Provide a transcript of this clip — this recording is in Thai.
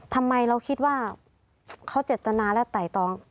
ทำไมเราคิดว่าเขาเจตนาและไต่ตอง